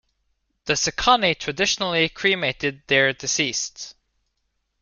The Sekani traditionally cremated their deceased.